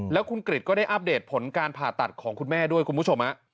แล้วคุณกริจก็ได้อัปเดตผลการผ่าตัดของคุณแม่ด้วยคุณผู้ชม